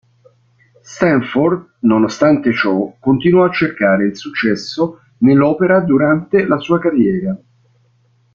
Stanford, nonostante ciò, continuò a cercare il successo nell'opera durante la sua carriera.